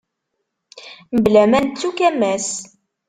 Mebla ma nettu-k a Mass.